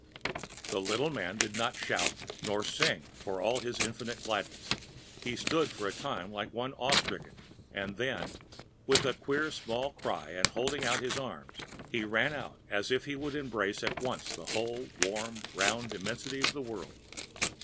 The little man did not shout nor sing for all his infinite gladness. He stood for a time like one awe stricken, and then, with a queer small cry and holding out his arms, he ran out as if he would embrace at once the whole warm round immensity of the world.